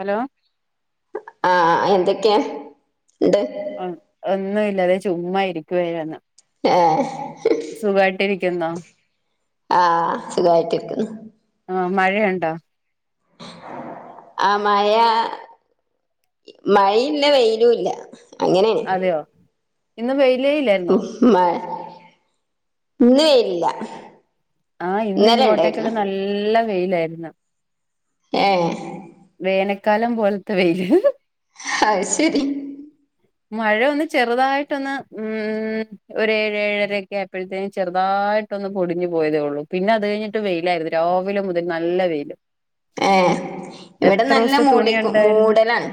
Hello ആഎന്തൊക്കെയാ ആ എന്ന് ല്ലവെ ചുമ്മാ ഇരിക്കുവ വന്ന് ആഹ് ക്കെന്നാ ആഹ്, സുഖമായിട്ടിരിക്കുന്നു. ആ മഴയുണ്ടോ ആഹ് മഴ മഴയുമില്ല വെയിലുമില്ല അങ്ങനെ ഇന്നു വെയിൽ ഉം മഴ ഒന്നുമില്ല ആഹ് ഇന്നിങ്ങോട്ടേക്കക്ക നല്ല വെയിലാരുന്നു. ഏഹ് വേനൽക്കാലം പോലത്തെ വെയിൽ അയ് ശരി മഴയൊന്ന് ചെറുതായിട്ടൊന്നു ഒരേഴഴരയക്കെയായപ്പഴ്ത്തേനു ചെറുതായിട്ടൊന്നു പൊടിഞ്ഞുപോയതേയുള്ളു പിന്നെ അതു കഴിഞ്ഞിട്ട് വെയിലായിരുന്നു, രാവിലെ മുതൽ നല്ല വെയിൽ. ആഹ് ഇവിടെ നല്ല തുണി മൂടിക്കു ഉണ്ടായിരുന്നു മൂടലാണ്.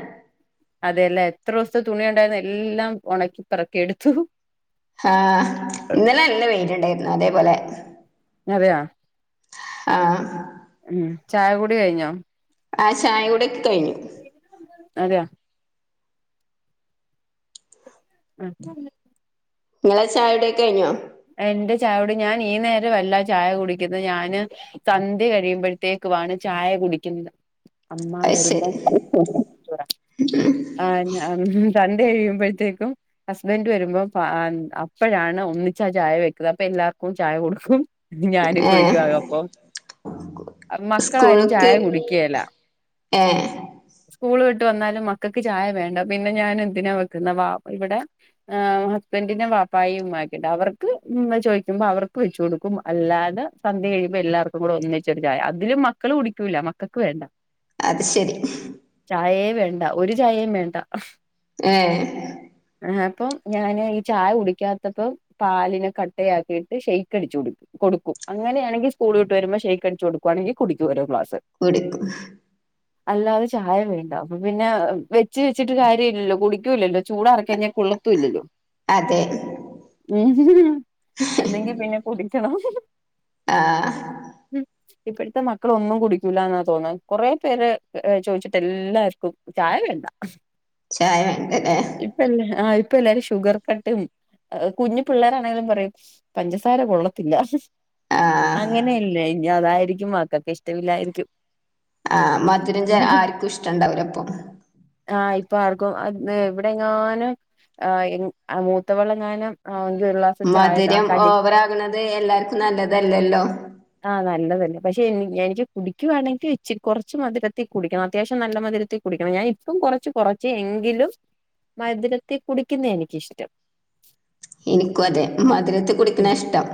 അതെല്ലേ എത്ര ദിവസത്തെ തുണിയുണ്ടായിരുന്ന എല്ലാം ഉണക്കി പെറുക്കിയെടുത്തു ആഹ് ഇന്നലെ നല്ല വെയിലുണ്ടായിരുന്നു. അതേപോലെ അറിയാം ആഹ് ഉം ചായകുടി കഴിഞ്ഞോ? ആഹ് ചായകുടി കഴിഞ്ഞു അതെയോ? മൂ ഹു നിങ്ങടെ ചായകുടിയൊക്കെ കഴിഞ്ഞോ എൻ്റെ ചായകുടി ഞാനീനേരം ആല്ല ചായ കുടിക്കുന്നത് ഞാൻ സന്ധ്യ കഴിയുമ്പോഴത്തേക്കു ആണ് ചായ കുടിക്കുന്നത്. അമ്മ അത് ശരി വരുമ്പോൾ [unintelligible] സന്ധ്യ കഴിയുമ്പോഴത്തേക്കും ഹസ്ബൻഡ് വരുമ്പോ പാ അപ്പഴാണ് ഉമ്മ ചായ വെക്കുന്നത്. അപ്പോ എല്ലാർക്കും ചായ കൊടുക്കും ഉം ഞാനും ഏഹ് കുടിക്കുമവരോടൊപ്പം, മക്കളാരും ചായ സ്കൂൾക്ക് കുടിക്കുകയില്ല. ഏഹ് സ്കൂൾ ട്ട് വന്നാലും മക്കക്ക് ചായ വേണ്ട പിന്നെ ഞാനെന്തിനാ വെക്കുന്നെ ഇവിടെ ഹസ്ബൻഡിൻ്റെ ബാപ്പയും ഉമ്മയും പിന്നെ അവർക്ക് ഇങ്ങനെ ചോദിക്കുമ്പോൾ അവർക്ക് വെച്ചു കൊടുക്കും അല്ലാതെ സന്ധ്യ കഴിയുമ്പോൾ എല്ലാവർക്കും കൂടി ഒന്നിച്ചൊരു ചായ അതിലും മക്കൾ കുടിക്കൂല്ല മക്കൾക്ക് വേണ്ട അതുശരി ഇല്ല ഒരു ചായെം വേണ്ട. ഏഹ് അപ്പം ഞാന് ചായ കുടിക്കാത്തപ്പം പാലിനെ കട്ടയാക്കിയിട്ട് ഷേക്ക് അടിച്ചു കുടിക്കും, കൊടുക്കും. അങ്ങനെയാണെങ്കിൽ സ്കൂൾ വിട്ടു വരുമ്പോ ഷേക്ക് അടിച്ചുകൊടുക്കുവാണെങ്കി കുടിക്കും ഓരോ ഗ്ലാസ്. കുടിക്കും അല്ലാതെ ചായ വേണ്ട. അപ്പപ്പിന്നെ വെച്ചു വെച്ചിട്ടു കാരൃമില്ലല്ലോ, കുടിക്കൂല്ലല്ലോ. ചൂടാറിക്കഴിഞ്ഞാൽ കൊളളത്തുമില്ലല്ലോ. അതേ അല്ലെങ്കിൽ പിന്നെ കുടുങ്ങി [unintelligible] ആഹ് ഇപ്പഴ്ത്തെ മക്കളൊന്നും കുടിക്കൂല ന്നാ തോന്നുന്നേ കൊറേ പേരെ ചോയ്ച്ചിട്ട് എല്ലാർക്കും ചായ വേണ്ട ചായ ണ്ടല്ലേ ഇപ്പ എല്ലാ ആ ഇപ്പ ഷുഗർ കട്ട് കുഞ്ഞിപ്പിള്ളാരാണേലും പറയും പഞ്ചസാര കൊള്ളത്തില്ല ആ അങ്ങനെയല്ലേ ഇനി അതായിരിക്കും മക്കക്ക്‌ ഇഷ്ട്ടിലായിരിക്കും ആ മധുരം ചെ ആർക്കും ഇഷ്ട്ടുണ്ടാവില്ല അപ്പോ ആ ഇപ്പോ ആർക്കോ ഇവിടെങ്ങാന് ഏഹ് അ മൂത്തവളെ നാനും മധുരം ഓവർ ആകുന്നത് എല്ലാർക്കും നല്ലതല്ലല്ലോ ആഹ് നല്ലതല്ലേ പക്ഷെ എനിക്ക് കുടിക്കുവാണെങ്കിൽ ഇച്ചിരി കുറച്ചു മധുരത്തിൽ കുടിക്കണം അത്യാവശ്യം നല്ല മധുരത്തിൽ കുടിക്കണം ഞാൻ ഇപ്പോ കൊറച്ച് കൊറച്ചു എങ്കിലും മധുരത്തിൽ കുടിക്കുന്നയാ എനിക്കിഷ്ടം എനിക്കുവതെ മധുരത്തിൽ ഉം കുടിക്കണയാ ഇഷ്ടം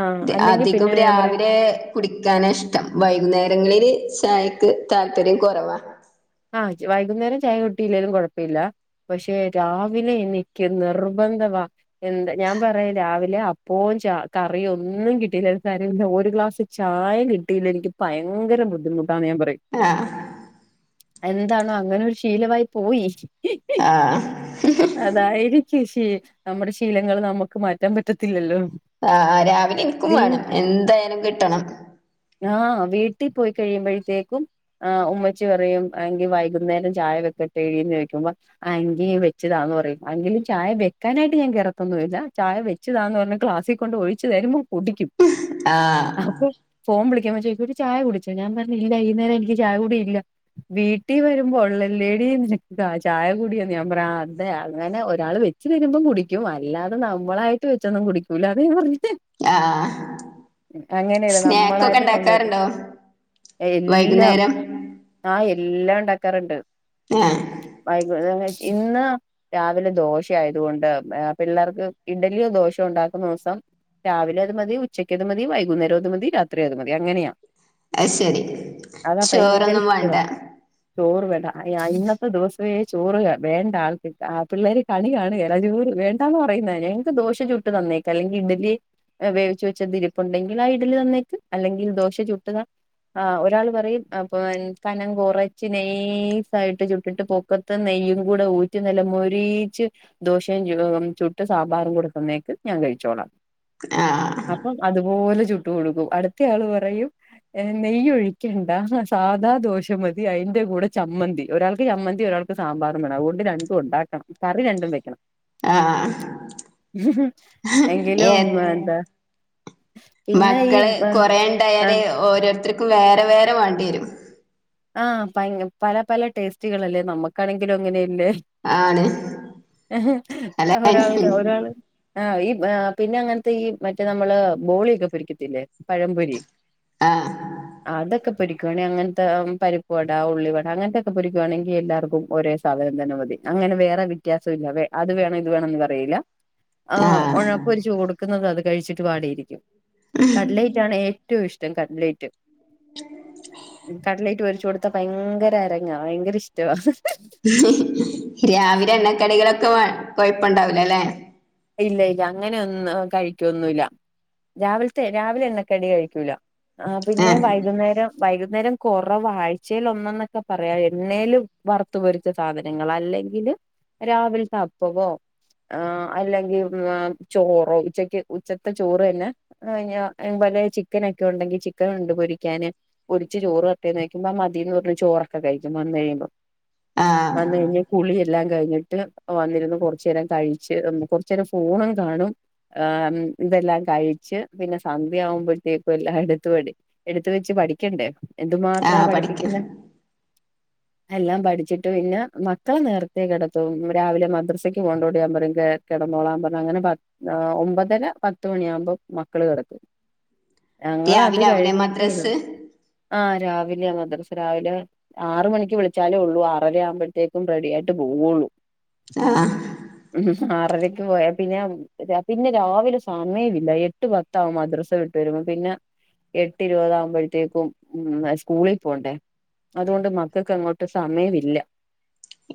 ആഹ് അല്ലെങ്കിൽ അധികം പിന്നെ ഞാൻ പറയും രാവിലെ കുടിക്കാനാ ഇഷ്ടം ചായക്ക് താൽപര്യം കൊറവാ ആ എക്ക് വൈകുന്നേരം ചായ കിട്ടി ലേലും കൊഴപ്പില്ല പക്ഷേ രാവിലെ എനിക്ക് നിറ്ബന്ധവാ എന്ത് ഞാൻ പറയും രാവിലെ അപ്പോം ച കറിയും കിട്ടിയിലേലും സാരല്ല ഒരു ഗ്ലാസ്‌ ചായ കിട്ടിയില്ലേൽ എനിക്ക് ഭയകര ബുദ്ധിമുട്ടാ [unintelligible] ഞാൻ പറയും ആ എന്താണോ അങ്ങനൊരു ശീലവായി പോയി ആ അതായിരി നമ്മടെ ശീലങ്ങൾ നമ്മക്ക് മാറ്റാൻ പറ്റത്തില്ലല്ലോ ആഹ് ആ രാവിലെ ൻക്കും വീ വേണം എന്തായാലും കിട്ടണം ആ വീട്ടിൽ പോയി കഴിയുമ്പോഴ്ത്തേക്കും ഉമ്മച്ചി പറയും എങ്കിൽ വൈകുന്നേരം ചായ വെക്കട്ടെ എന്ന് ചോയ്ക്കുമ്പോ ആ എങ്കി വച്ച് താന്നു പറയും എങ്കിലും ചായ വെക്കാനായിട്ട് ഞാൻ കേറത്തൊന്നുല്ല ചായ വെച്ച് താന്ന് പറഞ്ഞ് ക്ലാസ്സിൽ കൊണ്ട് ഒഴിച് തരുമ്പോ കുടിക്കും ആ അപ്പൊ ഫോൺ വിളി ക്കുമ്പോത്തേക്ക് ഒരു ചായ കുടിച്ച് ഞാൻ പറഞ്ഞ് ഇല്ല ഈ നേരം എനിക്ക് ചായ കുടി ഇല്ല വീട്ടിൽ വരുമ്പോ ഒള്ളല്ലേടി ചായ കുടിയെന്നു ഞാൻ പറയും ആഹ് അതെ അങ്ങനെ ഒരാള് വെച്ച് തരുമ്പോ കുടിക്കും അല്ലാതെ നമ്മളായിട്ട് വെച്ചോന്നും കുടിക്കൂല അത് ഞാൻ പറഞ്ഞെ ആഹ് ആഹ് അങ്ങനെയല്ല സ്നാക്ക് ഒക്കെ നമ്മളായിട്ട് സ്വന്തായിട്ട് ഇണ്ടാക്കാറുണ്ടോ വൈകുന്നേരം എല്ലാ ഇണ്ടാക്കാറുണ്ട് ആഹ് വൈകുന്നേരായി ഇന്ന് രാവിലെ ദോശയായതുകൊണ്ട് പിള്ളേർക്ക് ഇഡലിയോ ദോശയോ ഒണ്ടാകുന്ന ദിവസം രാവിലെ അത് മതി ഉച്ചക്ക് അത് മതി വൈകുന്നേരോം അത് മതി രാത്രി അത് മതി അങ്ങനെയാ അത്ശേരി അതാ ഭയങ്കര ചോറൊന്നും വെ ചോറ് വേ ആ ഇന്നത്തെ ദിവസവേ ചോറ് വേണ്ട ആൾക്ക് പിള്ളേര് കളി കാണുകേല വേണ്ടാന്നു പറയുന്നതാ ഞങ്ങൾക്ക് ദോശ ചുട്ടു തെന്നേക്ക് അല്ലെകിൽ ഇഡലി വേവിച്ചു വെച്ചത് ഇരിപ്പുണ്ടെങ്കിൽ ആ ഇഡലി തന്നേക്ക് അല്ലെങ്കിൽ ദോശ ചുട്ടു താ ആ ഒരാള് പറയും അപ്പോ കനം കുറച്ച് നൈസ് ആയിട്ട് ചുട്ടിട്ടു പൊക്കത്ത് നെയ്യും കൂടെ ഊറ്റി നല്ല മൊരിച്ചു ദോശയും ചുടും ചുട്ടു സാമ്പാറും കൂടെ തന്നേക്ക് ഞാൻ കഴിച്ചോളാം ആഹ് അപ്പൊ അത്പോലെ ചുട്ടു കൊടുക്കും അടുത്തയാളു പറയും നെയ്യ് ഒഴിക്കണ്ട സ സാദാ ദോശ മതി അയിന്റെ കൂടെ ചമ്മന്തി ഒരാൾക്കു ചമ്മന്തി ഒരാൾക്ക് സാമ്പാറും വേണം അത്കൊണ്ട് രണ്ടും നടക്കണം കറി രണ്ടും വെക്കണം ആഹ് [unintelligible] ഏ എന്താ പിന്നെ ഈ മക്കള് കൊറേണ്ടായാല് ആഹ് ഓരോരുത്തര്ക്കും വേറെ വേറെ ന്നെ വേണ്ടിയേരും ആഹ് ഭയങ്ക പല പല ടേസ്റ്റുകളല്ലേ നമ്മുക്കാണെങ്കിലും അങ്ങനെ ല്ലേ ആണ് അല്ല ഒരാൾക്ക് ഒരാൾ ആ ഈ ആ പിന്നെ അങ്ങനത്തെ ഈ മറ്റേ നമ്മള് ബോളിയൊക്കെ പൊരിക്കത്തില്ലേ പഴമ്പൊരി ആഹ് അതൊക്കെ പൊരിക്കുവാണെ അങ്ങനത്തെ പരിപ്പുവട, ഉള്ളിവട അങ്ങനത്തെയൊക്കെ പൊരിക്കുവാണെങ്കി എല്ലാർക്കും ഒരേ സാധനം തന്നെ മതി. അങ്ങനെ വേറെ വ്യത്യാസം ഇല്ല. അത് വേണം ഇത് വേണംന്ന് പറയില്ല. ആഹ് ഉഴപ്പൊരിച്ചു കൊടുക്കുന്നത് അത് കഴിച്ചിട്ട് വാടിയിരിക്കും. കട്ലൈറ്റാണ് ഏറ്റവും ഇഷ് [unintelligible] കട്ലയിറ്റ്. കടലേറ്റ് ഒര് ത്ത ഭയങ്കര അരങ്ങാ വയങ്കര ഇഷ് [unintelligible] രാവിലെ [unintelligible] കൊഴപ്പുണ്ടാവൂല ലേ ഇല്ല ഇല്ല അങ്ങനെ ഒന്നും കഴിക്കുവൊന്നുല്ല. രാവിലത്തെ രാവിലെ എണ്ണക്കടി കഴിക്കൂല. ആ പിന്നെ ആഹ് വൈകുന്നേരം വൈകുന്നേരം കുറവാ... ആഴ്ചേൽ ഒന്നന്നൊക്കെ പറയാം. എണ്ണേല് വറുത്തു പൊരിച്ച സാധനങ്ങൾ അല്ലെങ്കില് രാവിലത്തെ അപ്പവോ ആഹ് അല്ലെങ്കി ചോറോ ഉച്ചക്ക് ഉച്ചത്തെ ചോറ് തന്നെ ഞാ അല്ലേ ചിക്കനൊക്കെ ഉണ്ടെങ്കി ചിക്കൻ ഉണ്ട് പൊരിക്കാന് പൊരിച്ച് ചോറ് തരട്ടേ ന്ന് ചോയ്ക്കുമ്പൊ മതീന്ന് പറഞ് ചോറൊക്കെ കഴിക്കും വന്നു കഴിയുമ്പം. ആഹ് വന്ന് കഴിഞ്ഞാ കുളിയെ എല്ലാം കഴിഞ്ഞിട്ട് വന്നിരുന്ന് കുറച്ചു നേരം കഴിച്ച് കുറച്ച് നേരം ഫോണും കാണും ആ ഇതെല്ലാം കഴിച്ച് പിന്നെ സന്ധ്യ ആവുമ്പോഴത്തേക്കും എല്ലാം എടുത്ത് പഠി എടുത്ത വെച്ച് പഠിക്കണ്ടേ? എന്തുമാത്രാ ആഹ് പഠിക്കാം പഠിപ്പിക്കുന്നെ എല്ലാം പഠിച്ചിട്ട് പിന്നെ മക്കളെ നേരത്തേ കിടത്തും രാവിലെ മദ്രസക്ക് പോകണ്ടോണ്ട് ഞാൻ പറയും കെടന്നോളാൻ പറഞ്ഞ് അങ്ങനെ പത് ഓ ഒമ്പതര പത്ത് മണിയാകുമ്പം മക്കള് കെടക്കും. ഞങ്ങള അത് രാവിലെ ആവൂലേ കഴിഞ്ഞിട്ടേള്ളു മദ്രസ് ആ രാവിലെ ആ മദ്രസ രാവിലെ ആറ് മണിക്ക് വിളിച്ചാലേ ഉള്ളൂ ആറര ആവുമ്പോഴത്തേക്കും റെഡി ആയിട്ട് പോവൊള്ളൂ ആഹ് ആറരക്ക് പോയാ പിന്നെ പിന്നെ രാവിലെ സമയമില്ല, എട്ട് പത്താവും മദ്രസ വിട്ട് വരുമ്പോ പിന്നെ എട്ട് ഇരുപതാകുമ്പോഴത്തേക്കും ഉം സ്കൂളിൽ പോണ്ടേ അതുകൊണ്ട് മക്കൾക്ക് അങ്ങോട്ട് സമയമില്ല.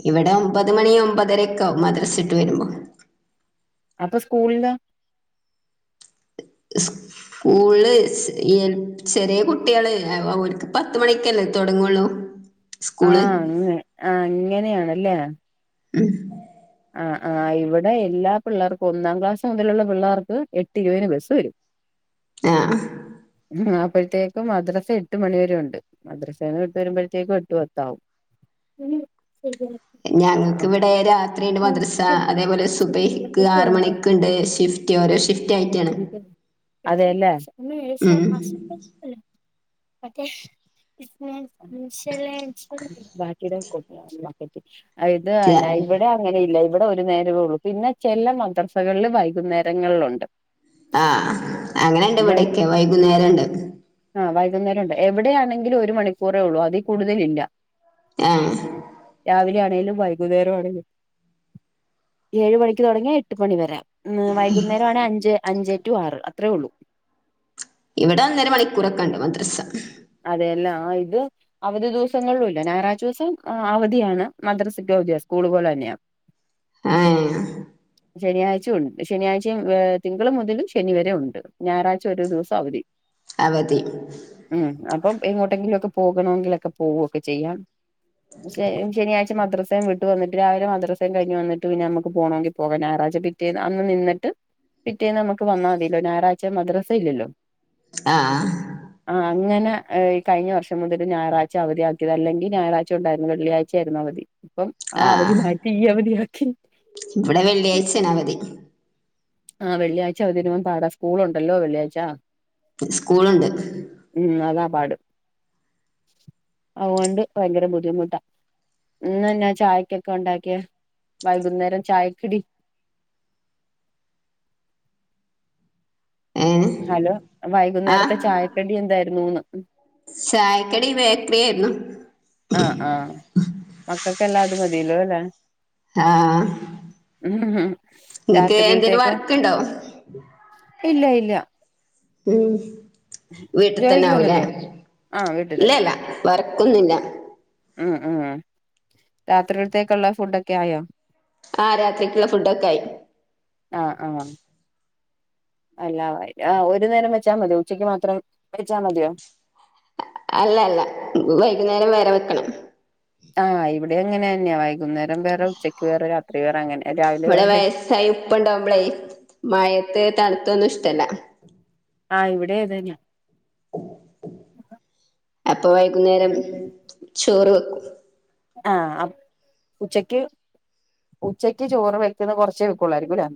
ഇവിടെ ഒമ്പത് മണി ഒമ്പതരക്കാവും മദ്രസവിട്ട് വരുമ്പോ. അപ്പൊ സ്കൂളിലാ സ്കൂള്ൽചെറിയ കുട്ടികള് അല്ലെ ഓൽക്ക് പത്ത് മണിക്കല്ലേ തൊടങ്ങൊള്ളു. ആഹ് അങ്ങനെ ആ അങ്ങനെയാണ് ല്ലേ ഉം ആ ആ ഇവിടെ എല്ലാ പിളളർക്കും ഒന്നാം ക്ലാസ് മുതലുള്ള പിളർക്ക് എട്ട് ഇരുപതിന് ബസ്സ് വരും ആ ആ ഹ അപ്പഴത്തെക്കും മദ്റസ എട്ട് മണിവരെ ഉണ്ട് മദ്റസെന്ന് വിട്ട് വരുമ്പോഴത്തേയ്ക്കും എട്ട്പത്താകും ഞങ്ങക്ക് ഇവിടെ രാ വീണ്ടും മദ്‌റസ അതുപോലെ സുബഹിക്ക് ആറ് മണിക്ക്ണ്ട്. ഷിഫ്റ്റ് ഓരോ ഷിഫ്റ്റായിട്ടാണ്. അതെല്ലേ ഉം [unintelligible] ആ ഇത് [unintelligible] ര- ഇല്ല ഇവിടെ ഒരു നേരവേ ഉള്ളു. പിന്നെ ചില മദ്റസകളില് വൈകുന്നേരങ്ങളിലുണ്ട്. അ ആ അ അങ്ങനെണ്ട് വൈ ഇവിടെക്കെ വൈകുന്നേരം ഇണ്ട് ആ വൈകുന്നേരം ഉണ്ട് എവിടെയാണെങ്കിലും ഒരു മണിക്കൂറേ ഒള്ളു അതിൽ കൂടുതലില്ല അ ആ രാവിലെയാണെങ്കിലും വൈകുന്നേരാണെങ്കിലും. ഏഴ് മണിക്ക് തുടങ്ങിയാ എട്ട് മണി വരെ ഉം വൈകുന്നേരാണെ അഞ്ച് അഞ്ച് റ്റു, ആറ് അത്രയോള്ളു ഇവിടെ ഒന്നര മണിക്കൂറ്ക്കെണ്ട് മദ്‌റസ അതെ എല്ലാം ആ ഇത് അവധി ദിവസങ്ങളിലുല്ല ഞാറാഴ്ച്ച ദിവസം അവധിയാണ് മദ്‌റസക്ക് അവധിയാണ് സ്‌കുളു പോലെ ന്നെയാ ഹേ ശനിയാഴ്ച്ച ഉൻ ശനിയാഴ്ച്ചിം ഏ തിങ്കള് മുതല് ശനി വരെ ഉണ്ട്. ഞാറാഴ്ച്ച ഒരു ദിവസം അവധി അവധി ഉം അപ്പോ എങ്ങോട്ടെങ്കിലും ഒക്കെ പോകണോങ്കില് ഒക്കെ പോവുകയെക്കെ ചെയ്യാം. ശെ ശനിയാഴിച്ച മദ്ര വിട്ട് വന്നിട്ട് രാവിലെ മദ്റസയും കഴിഞ്ഞു വന്നിട്ട് ഞമ്മുക്ക് പോണേങ്കി പോകാം ഞായറാഴ്ച്ച പിറ്റേന്ന് അന്ന് നിന്നിട്ട് പിറ്റേന്ന് ഞമ്മക്ക് വന്ന മതിയല്ലോ ഞായറാഴ്ച്ച മദ്‌റസ ഇല്ലല്ലോ. ആഹ്. ആഹ് അങ്ങനെ ആ കഴിഞ്ഞ വർഷം മുതല് ഞായറാഴ്ച്ച അവധി ആക്കിയതാ അല്ലെങ്കിൽ ഞായറാഴ്ച്ച ഉണ്ടായിരുന്നു വെള്ളിയാഴ്ച്ച ആയിരുന്നു അവധി. അപ്പം ആ അവധി മാറ്റി ഈ അവധിയാ ക്കില് ഇവിടെ വെള്ളിയാഴ്ച്ച ആണ് അവധി. ആ വെള്ളിയാഴ്ച്ച അവധിതരുമ്പോ പാട സ്‌കുൾ ഉണ്ടല്ലൊ വെള്ളിയാഴ്ച്ച. സ്‌കുൾ ഉണ്ട്. ഉം അതാ പാട്. അത് കൊണ്ട് ഭയങ്കര ബുദ്ധിമുട്ടാ ഇന്ന് ഞാൻ ചായയ്ക്ക് ഒക്കെ ഉണ്ടാക്കിയെ വൈകുനേരം ചായയ്ക്ക് ഇഡി ഏ ഹലോ. വൈകുനേരത്തെ ചായകടി എന്തായിരുന്നുന്ന്? ചായകടി ബേക്കറി ആയിരുന്നു. ആഹ് ആഹ് മക്കൾക്ക് എല്ലാം അത് മതി. തിലോ അല്ലെ. ആആഹ്. ഉം ഹ് നിങ്ങ്ക്ക് എന്തേലും വർക്ക് ഇണ്ടോ ഇല്ല ഇല്ല ഉം വീട്ടിൽ തന്നെ ജോലിക്ക് ആവൂലേ പോന്നുണ്ടോ ആഹ് വീട്ടിൽ തന്നെയാ ഇല്ലല്ല വർക്കൊന്നില്ല ഉം ഉം രാത്രിടുത്തേക്കുള്ള ഫുഡൊക്കെ ആയോ ആ രാത്രിക്കുള്ള ഫുഡൊക്കെ ആയി അല്ലാ ആ ഒരു നേരം വെച്ചാ മതിയോ ഉച്ചക്ക് മാത്രം വെച്ചാ മതിയോ അല്ല അല്ല വൈകുന്നേരം വെറേ വെക്കണം ആഇവിടെ അങ്ങനെ ന്നെയാ വൈ അങ്ങനെ രാവിലെ ഇവിടെ വേറെ വയസായി ഉപ്പ ഉണ്ടാവുമ്പളേ മഴത്ത് തണുത്തൊന്നും ഇഷ്ടല്ല ആ ഇവിടെ ഏതന്നെയാ അപ്പൊ വൈകുന്നേരം ചോറ് വെക്കും ആ അപ് ഉച്ചക്ക് ഉച്ചക്ക് ചോറ് വക്ക്ന്ന് കൊർച്ചേ വക്കുള്ളായിരിക്കും ലെ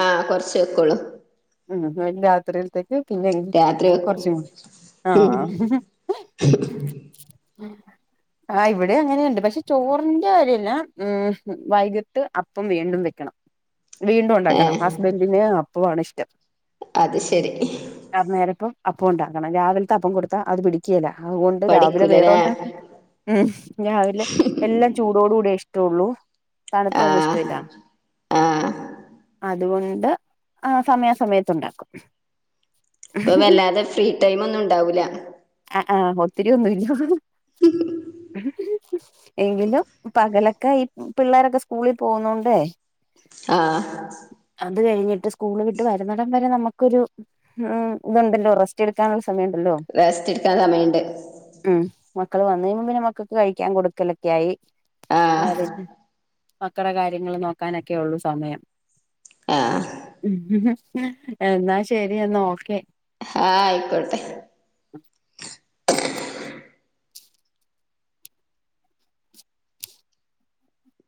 ആഹ് കൊറച്ച് വെക്കോളൂ [unintelligible] എ ഹ് പിന്നെങ് കൊർച്ചോ ആ ഉം. ആ ആ ഹ് ആ ഇവിട് വേ അങ്ങനെണ്ട് പക്ഷെ ചോറിന്റെ രിയെല്ല ഉം വൈകിട്ട് അപ്പം വീണ്ടും വെക്കണം വീണ്ടു ഉണ്ടാക്കണം ഏ ഹസ്ബൻഡിന് പൂആണ് ഇഷ്ടം അത് ശരി അന്നേരപ്പം അപ്പം ഉണ്ടാക്കണം രാവിൽത്തെ അപ്പം കൊടുത്താ അത് പിടിക്കേല അഉകൊണ്ട് രാവിലെ പഠിക്കൂലല്ലേ വേറൊണ്ടാക ഉം രാവിലെ എല്ലാം ചൂടോട് കൂടി ഇഷ്ട്ടൊള്ളൂ തണുത്തൊന്നും ആഹ് ഇഷ്ടല്ല ആഹ് അതുകൊണ്ട് ആ സമയാസമയത്ത് ഉണ്ടാക്കും പ്പൊ വല്ലാതെ ഫ്രീ ടൈം ഒന്നും ണ്ടാവുലാ ആ ഒത്തിരിയൊന്നുല്ല എങ്കിലും പകലൊക്കെ ഈ പിള്ളോരൊക്കെ സ്കൂളി പോഉന്നോണ്ടേ ആഹ് അത് കഴിഞ്ഞിട്ട് സ്കൂള് വിട്ട് വരുന്നിടം വരെ നമുക്കൊരു എ തുണ്ടല്ലോ റസ്റ്റ് എടുക്കാനു സമയ ണ്ടല്ലോ ക്കാൻ സമയണ്ട് മക്കള് വന്ന് കഴിഞ പിന്നെ മക്കക്ക് കഴിക്കാ കൊടുക്കലൊക്കെ ആയി എ ആഹ് ദെ മക്കളെ കാര്യങ്ങൾ നോക്കാനൊക്കെള്ളു സമയം ആഹ് ഉം എന്നാ ശരി എന്നാ ഓക്കെ ആഹ് ആയിക്കോട്ടെ